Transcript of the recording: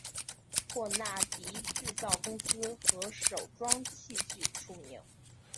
霍纳迪制造公司和手装器具出名。